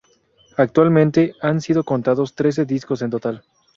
Actualmente, han sido contados trece discos en total.